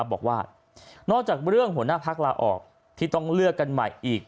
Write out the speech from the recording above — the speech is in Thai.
บอกว่านอกจากเรื่องหัวหน้าพักลาออกที่ต้องเลือกกันใหม่อีก